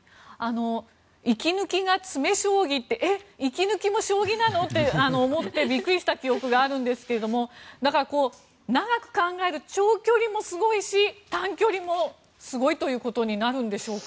息抜きが詰将棋ってえ、息抜きも将棋なの？って思って、びっくりした記憶があるんですけれどもだから、長く考える長距離もすごいし短距離もすごいということになるんでしょうか。